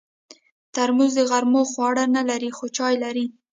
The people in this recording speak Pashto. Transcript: ترموز د غرمو خواړه نه لري، خو چای لري.